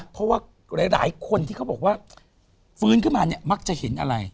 เพราะว่าหลายคนที่เขาบอกว่าฟื้นขึ้นมาเนี่ยมักจะเห็นอะไร